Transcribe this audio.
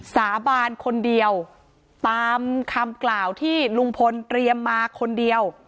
สาบานคนเดียวตามคำกล่าวที่ลุงพลเตรียมมาคนเดียว